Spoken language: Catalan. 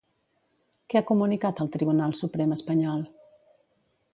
Què ha comunicat el Tribunal Suprem espanyol?